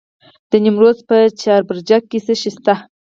د نیمروز په چاربرجک کې څه شی شته؟